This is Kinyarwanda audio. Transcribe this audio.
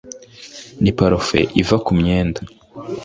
Ni parufe iva kumyenda